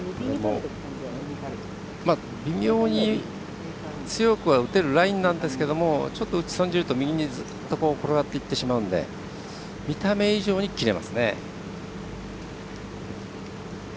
微妙に強くは打てるラインなんですけどちょっと打ち損じると右へ転がっていってしまうので見た目以上に切れますね。